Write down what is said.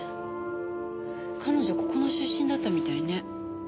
彼女ここの出身だったみたいね。